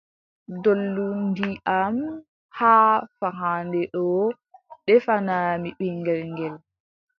Dollu ndiyam haa fahannde ɗoo ndefanaami ɓiŋngel ngel,